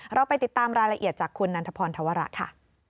เราไปติดตามรายละเอียดจากคุณนันทพรธวระค่ะ